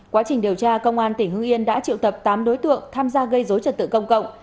quá trình điều tra công an tỉnh hưng yên đã triệu tập tám đối tượng tham gia gây dối trật tự công cộng